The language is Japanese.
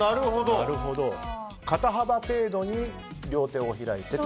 肩幅程度に両手を開いてと。